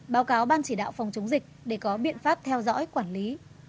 báo cáo ban chỉ đạo phòng chống dịch để có biện pháp theo dõi quản lý